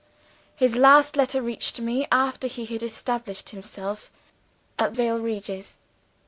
His last letter reached me, after he had established himself at Vale Regis.